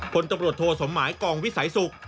ผลตำรวจโทสมหมายกองวิสัยศุกร์